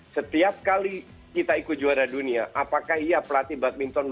setiap kali kita ikut juara dunia apakah pelatih badminton yakin kita akan jadi